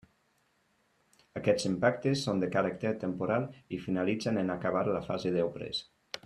Aquests impactes són de caràcter temporal i finalitzen en acabar la fase d'obres.